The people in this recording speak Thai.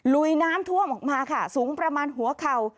ลุยน้ำท่วมออกมาค่ะสูงประมาณหัวเข่า